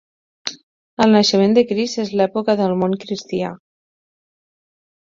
El naixement de Crist és l'època del món cristià.